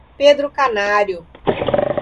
Pedro Canário